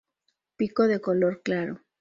Pico de color claro.